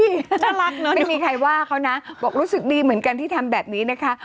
น่ารักเนอะไม่มีใครว่าเขานะบอกรู้สึกดีเหมือนกันที่ทำแบบนี้นะคะ